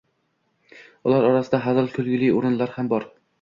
Ular orasida hazil, kulgili o'rinlar ham bor